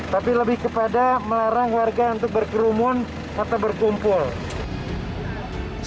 tapi lebih kepada melarang warga untuk berkerumun atau berkumpul